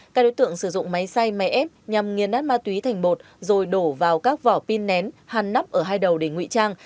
các đối tượng sử dụng máy xay máy ép nhằm nghiên nát ma túy thành bột rồi đổ vào các vỏ pin nén hàn nắp ở hai đầu để ngụy trang